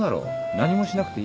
何もしなくていい。